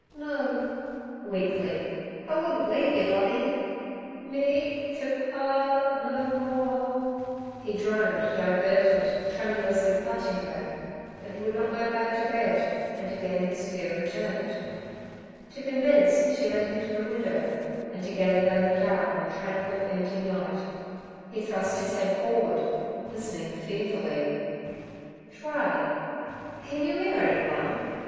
'No'—weakly—'I wouldn't leave yer, Lovey. Mee et t' paa art no mo—ore, he droned, diverted, tremulously clutching her. But he would not go back to bed, and again his fear returned. To convince she led him to the window, and together they looked out on the tranquil, empty night. He thrust his head forward, listening fearfully. 'Try—can you 'ear anyone?'